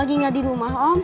saya mau berubah